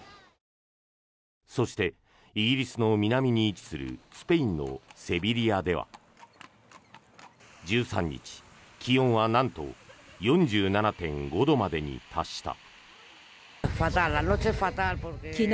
そして、イギリスの南に位置するスペインのセビリアでは１３日、気温はなんと４７．５度までに達した。